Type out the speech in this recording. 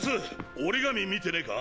折紙見てねぇか？